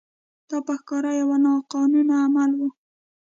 دا په ښکاره یو ناقانونه عمل و.